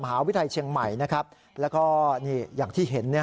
หาวิทยาลเชียงใหม่นะครับแล้วก็อย่างที่เห็น